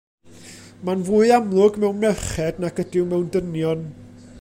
Mae'n fwy amlwg mewn merched nag ydyw mewn dynion.